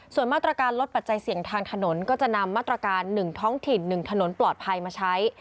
ส่วนมาตรการลดปัจจัยเสี่ยงทางถนนก็จะนำมาตรการ๑ท้องถิ่น๑ถนนปลอดภัยมาใช้